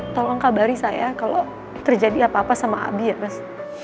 tolong kabari saya kalau terjadi apa apa sama abi ya mas